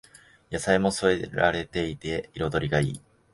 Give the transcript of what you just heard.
野菜も添えられていて彩りがいい